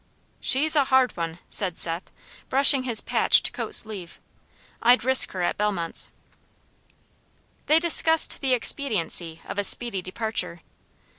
"She's a hard one," said Seth, brushing his patched coat sleeve. "I'd risk her at Bellmont's." They discussed the expediency of a speedy departure.